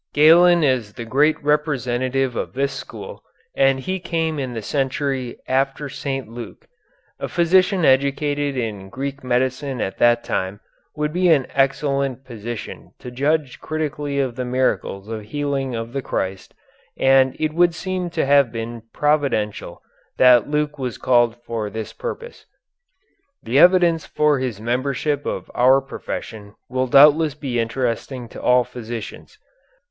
Galen is the great representative of this school, and he came in the century after St. Luke. A physician educated in Greek medicine at that time, then, would be in an excellent position to judge critically of the miracles of healing of the Christ, and it would seem to have been providential that Luke was called for this purpose. The evidence for his membership of our profession will doubtless be interesting to all physicians.